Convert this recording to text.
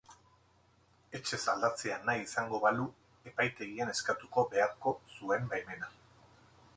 Etxez aldatzea nahi izango balu, epaitegian eskatuko beharko zuen baimena.